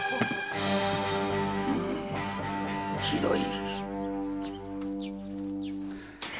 ひどい。